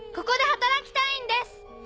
ここで働きたいんです！